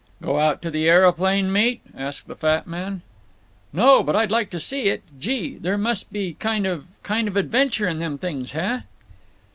"Go out to the areoplane meet?" asked the fat man. "No. But I'd like to see it. Gee! there must be kind of—kind of adventure in them things, heh?"